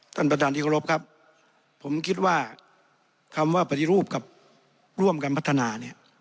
ท่านประธานที่เคารพครับผมคิดว่าคำว่าปฏิรูปกับร่วมกันพัฒนาเนี่ย